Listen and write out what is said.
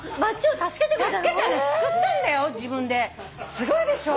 すごいでしょ。